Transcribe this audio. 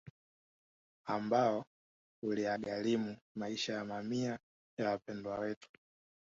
Ambao uliyagharimu maisha ya mamia ya Wapendwa Wetu